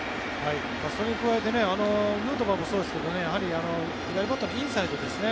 それに加えてヌートバーもそうですけど左バッターのインサイドですね。